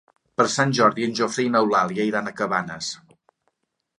Per Sant Jordi en Jofre i n'Eulàlia iran a Cabanes.